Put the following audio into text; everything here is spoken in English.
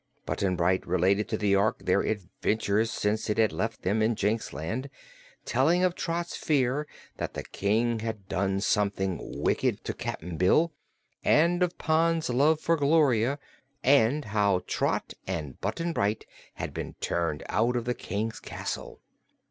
Button Bright related to the Ork their adventures since it had left them in Jinxland, telling of Trot's fear that the King had done something wicked to Cap'n Bill, and of Pon's love for Gloria, and how Trot and Button Bright had been turned out of the King's castle.